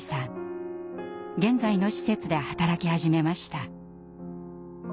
現在の施設で働き始めました。